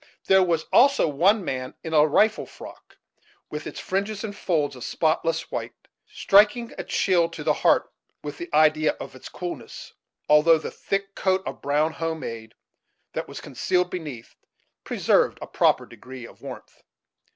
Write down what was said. There was also one man in a "rifle frock," with its fringes and folds of spotless white, striking a chill to the heart with the idea of its coolness, although the thick coat of brown "home made" that was concealed beneath preserved a proper degree of warmth.